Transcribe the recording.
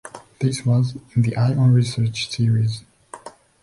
This was in the "Eye on Research" series.